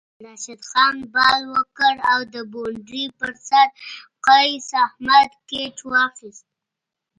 راشد خان بال وکړ او د بونډرۍ پر سر قیص احمد کیچ واخیست